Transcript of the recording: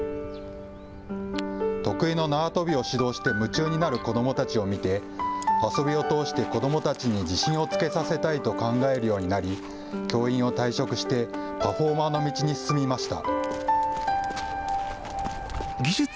得意の縄跳びを指導して夢中になる子どもたちを見て遊びを通して子どもたちに自信をつけさせたいと考えるようになり教員を退職してパフォーマーの道に進みました。